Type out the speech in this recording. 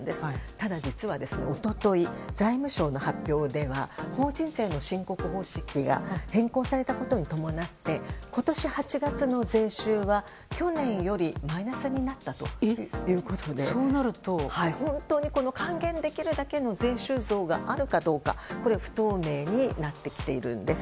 ただ、実は一昨日財務省の発表では法人税の申告方式が変更されたことに伴って今年８月の税収は去年よりマイナスになったということで本当に還元できるだけの税収増があるかどうかこれが不透明になってきているんです。